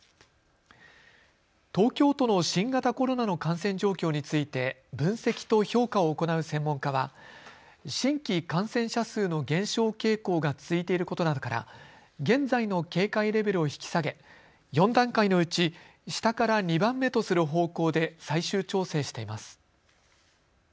東京都の新型コロナの感染状況について分析と評価を行う専門家は新規感染者数の減少傾向が続いていることなどから現在の警戒レベルを引き下げ４段階のうち下から２番目とする方向で最終調整しています。